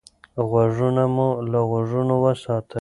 غوږونه مو له غږونو وساتئ.